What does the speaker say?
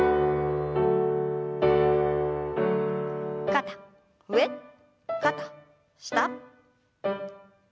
肩上肩下。